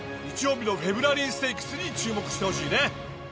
日曜日のフェブラリーステークスに注目してほしいね。